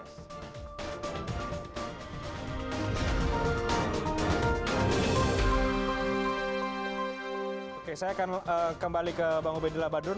oke saya akan kembali ke bang obeidillah badrun